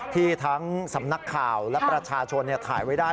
ที่ทั้งสำนักข่าวและประชาชนถ่ายไว้ได้